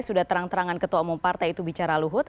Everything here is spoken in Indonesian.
sudah terang terangan ketua umum partai itu bicara luhut